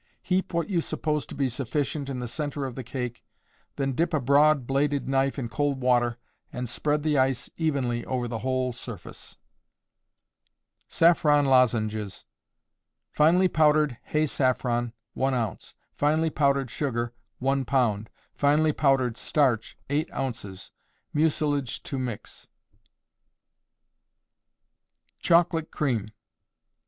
Heap what you suppose to be sufficient in the centre of the cake, then dip a broad bladed knife in cold water, and spread the ice evenly over the whole surface. Saffron Lozenges. Finely powdered hay saffron, 1 ounce; finely powdered sugar, 1 pound; finely powdered starch, 8 ounces. Mucilage to mix. _Chocolate Cream.